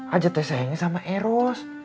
aja tersayangin sama eros